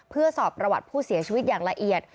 เพื่อสอบประวัติผู้เสียชีวิตอย่างละเอียด